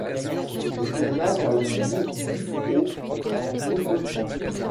Le tournage a eu lieu du au en Île-de-France.